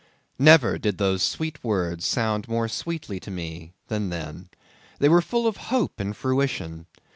_ Never did those sweet words sound more sweetly to me than then. They were full of hope and fruition.